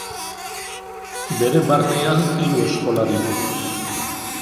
Bere barnean hiru eskola ditu.